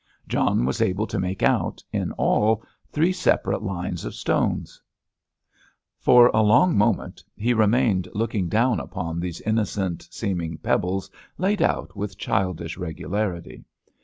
John was able to make out, in all, three separate lines of stones. For a long minute he remained looking down upon these innocent seeming pebbles laid out with childish regularity.